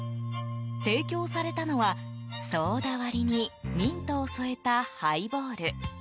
提供されたのはソーダ割りにミントを添えたハイボール。